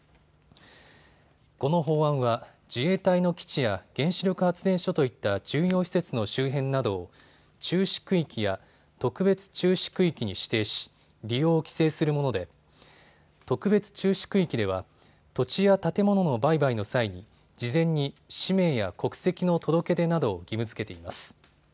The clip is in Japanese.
この法案は自衛隊の基地や原子力発電所といった重要施設の周辺などを注視区域や特別注視区域に指定し、利用を規制するもので特別注視区域では土地や建物の売買の際に事前に氏名や国籍の届け出などを義務づけています。